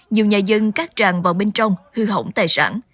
nhiều nhà dân các tràn vào bên trong hư hỏng tài sản